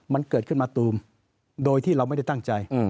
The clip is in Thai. มันเกิดขึ้นมาตูมโดยที่เราไม่ได้ตั้งใจ